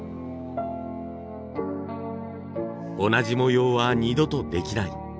同じ模様は二度とできない。